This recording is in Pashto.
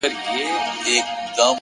له خوشحالۍ نه مې نظر نه لكي